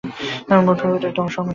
মোট প্রফিটের একটা অংশ আমার চাই।